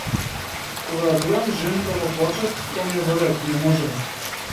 Кога глеам жени како плачат - тоа ми е во ред, ние можеме.